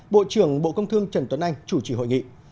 bộ trưởng bộ công thương trần tuấn anh chủ trì hội nghị